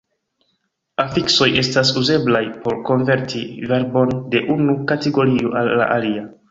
Afiksoj estas uzeblaj por konverti verbon de unu kategorio al la alia.